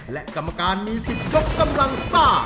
และกรรมการมีสิทธิ์ยกกำลังซ่า